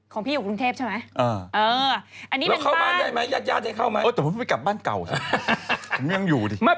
ของพี่อยู่กรุงเทพใช่ไหมเออแล้วเข้าบ้านใหญ่ไหมยาดยาดให้เข้าไหมแต่ผมไม่กลับบ้านเก่าผมยังอยู่ดิ